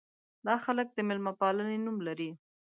دا خلک د مېلمه پالنې نوم لري.